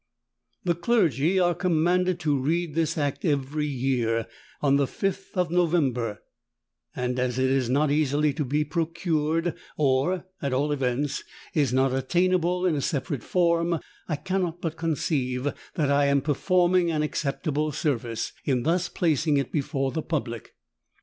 The clergy are commanded to read this Act every year, on the Fifth of November: and as it is not easily to be procured, or, at all events, is not attainable in a separate form, I cannot but conceive that I am performing an acceptable service, in thus placing it before the public.